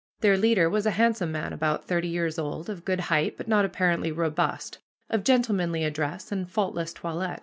Their leader was a handsome man about thirty years old, of good height, but not apparently robust, of gentlemanly address and faultless toilet.